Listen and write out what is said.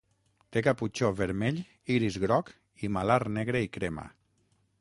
Té caputxó vermell, iris groc i malar negre i crema.